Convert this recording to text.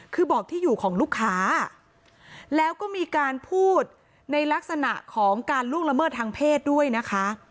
คือบอกที่อยู่ของลูกค้าแล้วก็มีการพูดในลักษณะของการล่วงละเมิดทางเพศด้วยนะคะ